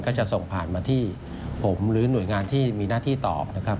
ก็จะส่งผ่านมาที่ผมหรือหน่วยงานที่มีหน้าที่ตอบนะครับ